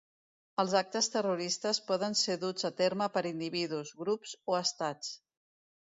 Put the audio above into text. Els actes terroristes poden ser duts a terme per individus, grups o estats.